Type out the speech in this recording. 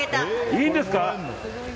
いいんですか？